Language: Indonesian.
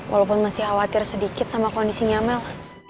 walaupun masih khawatir sedikit sama kondisi nyamel